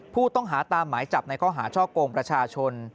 ผู้ต้องหาตามหมายจับในข้อหาช่อกงประชาชน